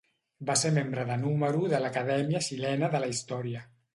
Va ser membre de número de l'Acadèmia Xilena de la Història.